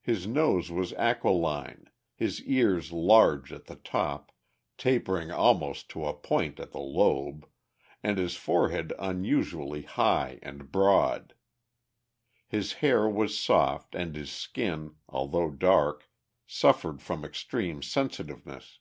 His nose was aquiline, his ears large at the top, tapering almost to a point at the lobe, and his forehead unusually high and broad. His hair was soft, and his skin, although dark, suffered from extreme sensitiveness.